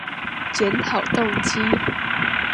檢討動機